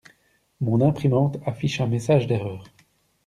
Mon imprimante affiche un message d'erreur.